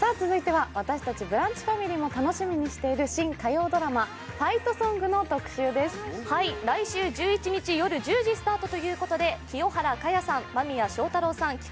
続いては私達ブランチファミリーも楽しみにしている新火曜ドラマ「ファイトソング」の特集です・はい来週１１日夜１０時スタートということで清原果耶さん間宮祥太朗さん